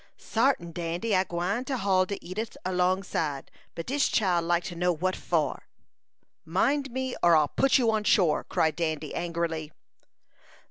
"Sartin, Dandy. I'se gwine to haul de Edif alongside, but dis chile like to know what for?" "Mind me, or I'll put you on shore!" cried Dandy, angrily.